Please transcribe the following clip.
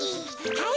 はい。